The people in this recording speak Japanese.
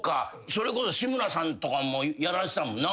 それこそ志村さんとかもやられてたもんな。